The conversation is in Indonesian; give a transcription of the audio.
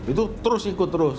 itu terus ikut terus